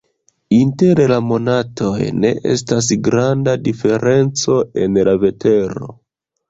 Inter la monatoj ne estas granda diferenco en la vetero.